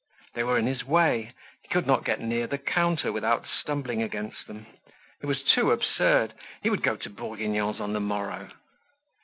They were in his way; he could not get near the counter without stumbling against them. It was too absurd; he would go to Bourguignon's on the morrow.